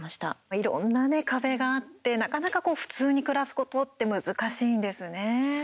いろんな壁があってなかなか普通に暮らすことって難しいんですね。